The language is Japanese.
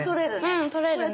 うん取れるね。